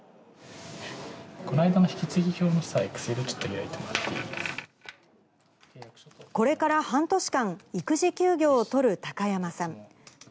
この間の引き継ぎ表のエクセこれから半年間、育児休業を取る高山さん。